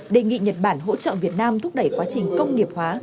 đề nghị nhật bản hỗ trợ việt nam thúc đẩy quá trình công nghiệp hóa